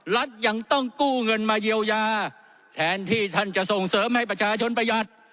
รัฐยังต้องกู้เงินมาเยียวยาแทนที่ท่านจะส่งเสริมให้ประชาชนประหยัด